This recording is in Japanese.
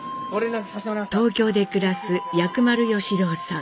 東京で暮らす薬丸義朗さん。